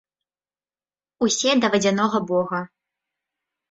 Усе да вадзянога бога.